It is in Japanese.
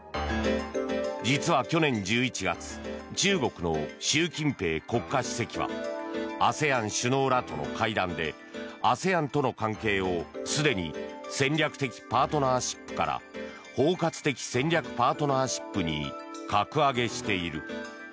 実は去年１１月中国の習近平国家主席はＡＳＥＡＮ首脳らとの会談でＡＳＥＡＮとの関係をすでに戦略的パートナーシップから包括的戦略パートナーシップに格上げしている。